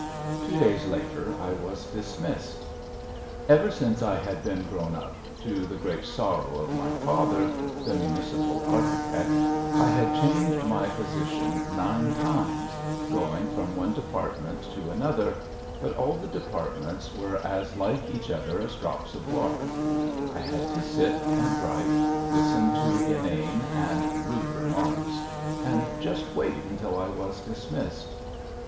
Two days later I was dismissed. Ever since I had been grown up, to the great sorrow of my father, the municipal architect, I had changed my position nine times, going from one department to another, but all the departments were as like each other as drops of water; I had to sit and write, listen to inane and rude remarks, and just wait until I was dismissed.